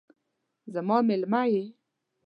زما میلمه یې